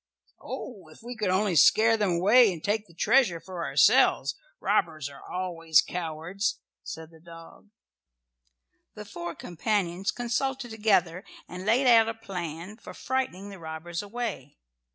"Oh, if we could only scare them away and take the treasure for ourselves! Robbers are always cowards," said the dog. The four companions consulted together and laid out a plan for frightening the robbers away.